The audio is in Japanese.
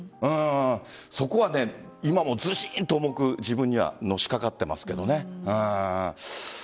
そこは今もずしんと重く自分にのしかかっていますけどね。